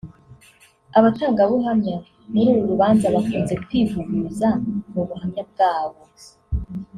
Abatangabuhamya muri uru rubanza bakunze kwivuguruza mu buhamya bwabo